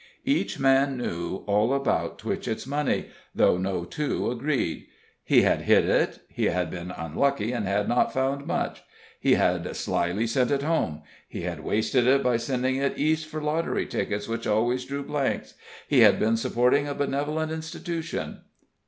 Each man knew all about Twitchett's money, though no two agreed. He had hid it he had been unlucky, and had not found much he had slyly sent it home he had wasted it by sending it East for lottery tickets which always drew blanks he had been supporting a benevolent institution.